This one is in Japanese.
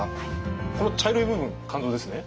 この茶色い部分肝臓ですね？